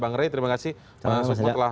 ngeri terima kasih semua yang telah